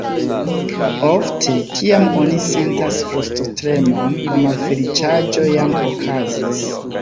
Ofte, kiam oni sentas frostotremon, la malfeliĉaĵo jam okazis.